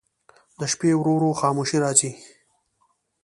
د شپې ورو ورو خاموشي راځي.